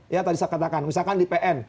ya tadi saya katakan misalkan di pn